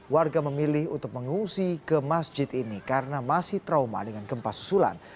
warga memilih untuk mengungsi ke masjid ini karena masih trauma dengan gempa susulan